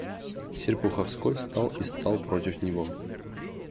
Серпуховской встал и стал против него.